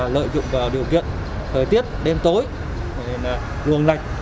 lợi dụng điều kiện thời tiết đêm tối đường lạch